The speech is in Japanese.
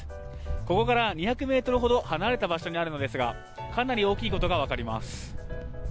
ここから２００ｍほど離れた場所にあるのですがかなり大きいことが分かります。